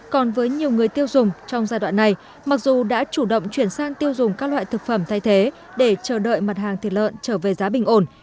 còn với nhiều người tiêu dùng trong giai đoạn này mặc dù đã chủ động chuyển sang tiêu dùng các loại thực phẩm thay thế để chờ đợi mặt hàng thịt lợn trở về giá bình ổn